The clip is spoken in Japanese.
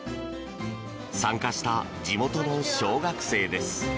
参加した地元の小学生です。